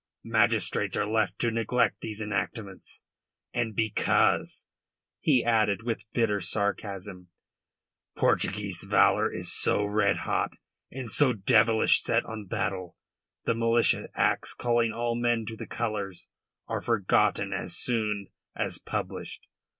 Magistrates are left to neglect these enactments, and because," he added with bitter sarcasm, "Portuguese valour is so red hot and so devilish set on battle the Militia Acts calling all men to the colours are forgotten as soon as published.